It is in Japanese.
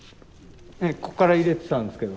こっから入れてたんですけど。